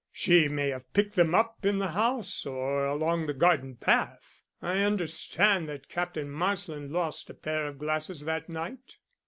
"She may have picked them up in the house, or along the garden path. I understand that Captain Marsland lost a pair of glasses that night."